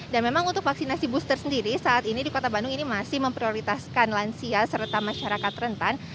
dan memang untuk vaksinasi booster sendiri saat ini di kota bandung ini masih memprioritaskan lansia serta masyarakat rentan